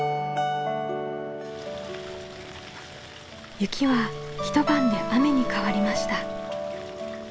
雪は一晩で雨に変わりました。